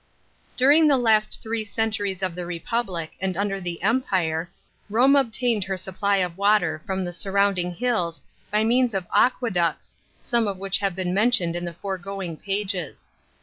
§ 16. During the last three centuries of the Republic and under the Empire, Rome obtained her supply of water from the sur rounding hills by means of aqueducts, some ot which have been mentioned in the foregoing pages.